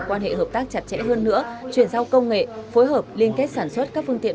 quan hệ hợp tác chặt chẽ hơn nữa chuyển giao công nghệ phối hợp liên kết sản xuất các phương tiện